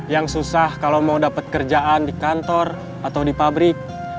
yang susah kalau mau dapat kerjaan di kantor atau di pabrik